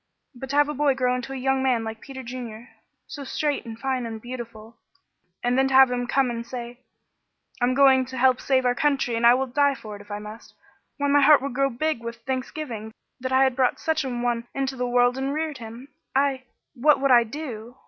But to have a boy grow into a young man like Peter Junior so straight and fine and beautiful and then to have him come and say: 'I'm going to help save our country and will die for it if I must!' Why, my heart would grow big with thanksgiving that I had brought such an one into the world and reared him. I What would I do!